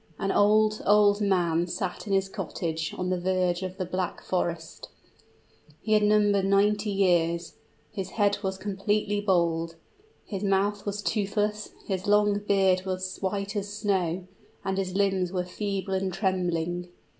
An old old man sat in his cottage on the verge of the Black Forest. He had numbered ninety years; his head was completely bald his mouth was toothless his long beard was white as snow, and his limbs were feeble and trembling.